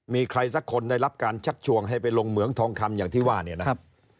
มีใครสักคนได้รับการชักชวนให้ไปลงเหมืองทองคำอย่างที่ว่าเนี่ยนะครับ